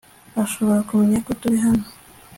Ashobora kumenya ko turi hano